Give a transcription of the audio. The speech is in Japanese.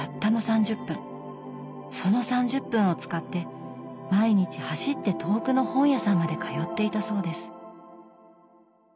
その３０分を使って毎日走って遠くの本屋さんまで通っていたそうです。